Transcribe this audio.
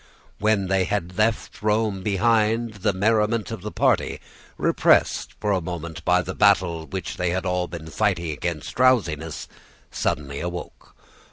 When they had left Rome behind, the merriment of the party, repressed for a moment by the battle they had all been fighting against drowsiness, suddenly awoke.